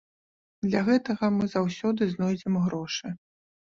Для гэтага мы заўсёды знойдзем грошы.